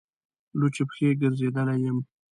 لوڅې پښې ګرځېدلی یم.